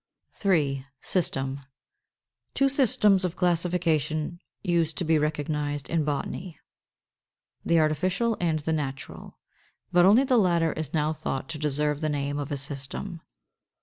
§ 3. SYSTEM. 547. Two systems of classification used to be recognized in botany, the artificial and the natural; but only the latter is now thought to deserve the name of a system.